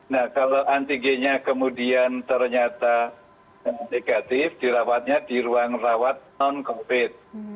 nah kalau antigennya kemudian ternyata negatif dirawatnya di ruang rawat non covid